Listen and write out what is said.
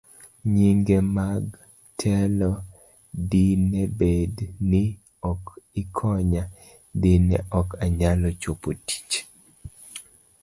B. Nyinge mag telo Dine bed ni ok ikonya, dine ok anyal chopo tich